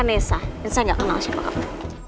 nessa nessa gak kenal sih bokapnya